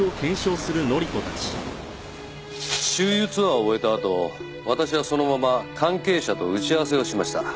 周遊ツアーを終えたあと私はそのまま関係者と打ち合わせをしました。